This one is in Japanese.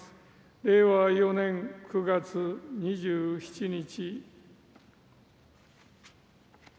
令和４年９月２７日。